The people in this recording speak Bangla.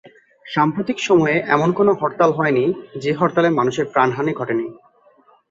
সাম্প্রতিক সময়ে এমন কোনো হরতাল হয়নি যে হরতালে মানুষের প্রাণহানি ঘটেনি।